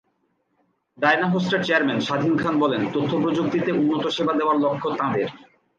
ডায়নাহোস্টের chairman Swadhin Khan বলেন, তথ্যপ্রযুক্তিতে উন্নত সেবা দেওয়ার লক্ষ্য তাঁদের।